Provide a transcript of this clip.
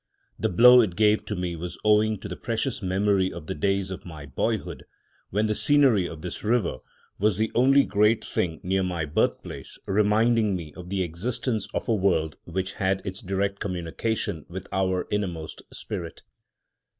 The blow it gave to me was owing to the precious memory of the days of my boyhood, when the scenery of this river was the only great thing near my birthplace reminding me of the existence of a world which had its direct communication with our innermost spirit.